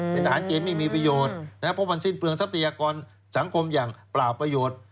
เป็นทหารเกณฑ์ไม่มีประโยชน์นะครับเพราะมันสิ้นเปลืองทรัพยากรสังคมอย่างเปล่าประโยชน์